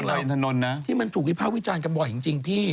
อย่าเลยเป็นเรื่องที่มันถูกวิภาควิจารณ์กันบ่อยจริงพี่